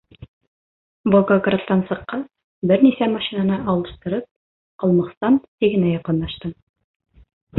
Волгоградтан сыҡҡас, бер нисә машинаны алыштырып, Ҡалмығстан сигенә яҡынлаштым.